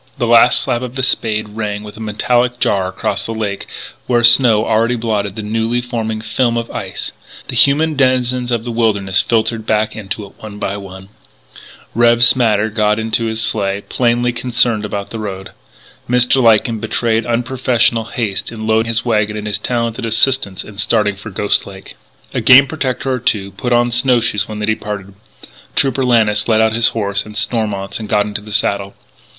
The last slap of the spade rang with a metallic jar across the lake, where snow already blotted the newly forming film of ice; the human denizens of the wilderness filtered back into it one by one; "Rev. Smatter" got into his sleigh, plainly concerned about the road; Mr. Lyken betrayed unprofessional haste in loading his wagon with his talented assistants and starting for Ghost Lake. A Game Protector or two put on snow shoes when they departed. Trooper Lannis led out his horse and Stormont's, and got into the saddle.